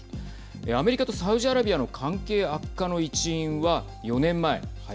アメリカとサウジアラビアの関係悪化の一因は４年前、はい。